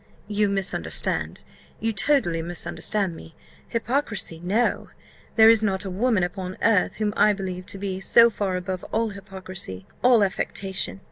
"You misunderstand you totally misunderstand me. Hypocrisy! No; there is not a woman upon earth whom I believe to be so far above all hypocrisy, all affectation.